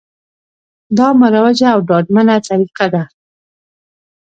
دا مروجه او ډاډمنه طریقه ده